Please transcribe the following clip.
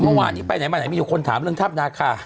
เมื่อวานนี้ไปไหนมีคนถามเรื่องท่ามนาคา